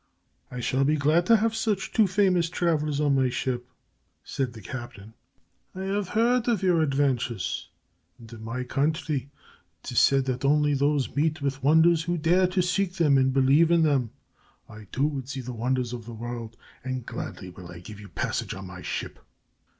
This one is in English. "I shall be glad to have two such famous travelers on my ship," said the captain. "I have heard of your adventures, and in my country 'tis said that only those meet with wonders who dare to seek them and believe in them. I, too, would see the wonders of the world, and gladly will I give you passage on my ship."